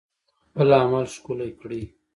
خپل عمل ښکلی کړئ